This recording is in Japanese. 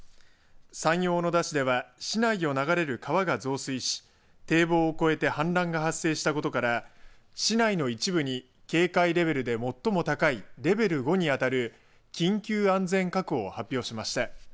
山陽小野田市では市内を流れる川が増水し堤防を越えて氾濫が発生したことから市内の一部に警戒レベルで最も高いレベル５に当たる緊急安全確保を発表しました。